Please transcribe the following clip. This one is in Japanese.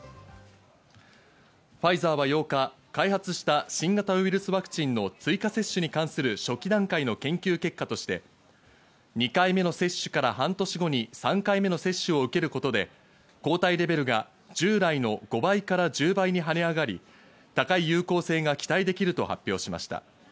ファイザー８日、開発した新型ウイルスワクチンの追加接種に関する初期段階の研究結果として、２回目の接種から半年後に３回目の接種を受けることで抗体レベルが従来の５倍から１０倍に跳ね上がり、高い有効性が期待できると発表しました。